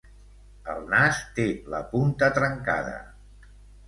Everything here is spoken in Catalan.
El nas té la punta trencada.